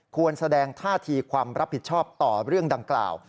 ควรแสดงท่าทีความรับผิดชอบต่อเรื่องดังกล่าว